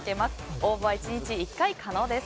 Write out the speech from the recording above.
応募は１日１回可能です。